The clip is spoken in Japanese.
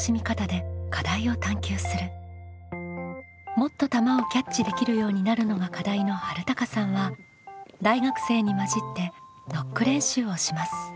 「もっと球をキャッチできるようになる」のが課題のはるたかさんは大学生に交じってノック練習をします。